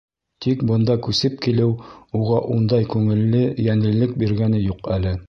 Тик бында күсеп килеү уға ундай күңелле йәнлелек биргәне юҡ әле.